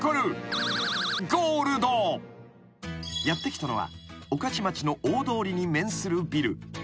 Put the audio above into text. ［やって来たのは御徒町の大通りに面するビル］